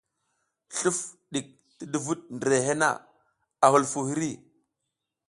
Sluf ɗik ti duvuɗ ndirehe na, a hulufuw hiri.